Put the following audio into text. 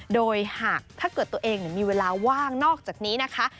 โดยหากถ้าเกิดตัวเองมีเวลาว่างนอกจากนี้นะคะ